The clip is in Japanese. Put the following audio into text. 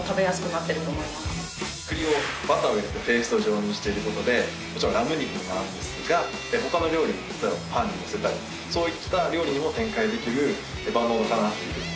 栗をバターを入れてペースト状にしてることでもちろんラム肉に合うんですが他の料理も例えばパンにのせたりそういった料理にも展開できる万能かなと思います。